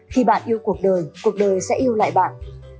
khi bạn yêu cuộc đời cuộc đời sẽ yêu lại bạn